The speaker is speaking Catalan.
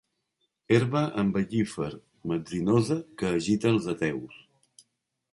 Herba embel·lífer metzinosa que agita els ateus.